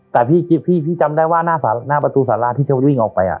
แต่พี่พี่พี่จำได้ว่าหน้าสาลาหน้าประตูสาลาที่เขาวิ่งออกไปอ่ะ